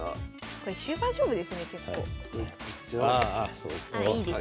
これ終盤勝負ですね